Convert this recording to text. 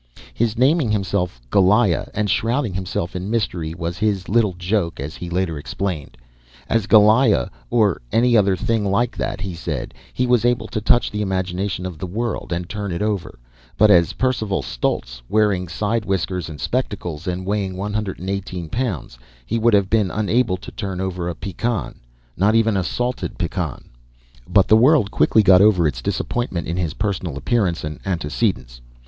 His naming himself "Goliah" and shrouding himself in mystery was his little joke, he later explained. As Goliah, or any other thing like that, he said, he was able to touch the imagination of the world and turn it over; but as Percival Stultz, wearing side whiskers and spectacles, and weighing one hundred and eighteen pounds, he would have been unable to turn over a pecan "not even a salted pecan." But the world quickly got over its disappointment in his personal appearance and antecedents.